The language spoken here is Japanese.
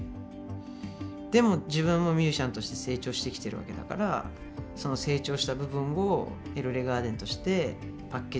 でも自分もミュージシャンとして成長してきてるわけだからその成長した部分をＥＬＬＥＧＡＲＤＥＮとしてパッケージすることも